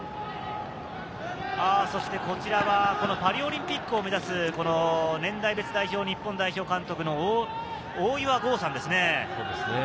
こちらはパリオリンピックを目指す年代別代表、日本代表監督の大岩剛さんですね。